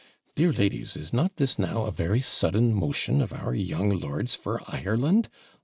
Dear ladies, is not this now a very sudden motion of our young lord's for Ireland?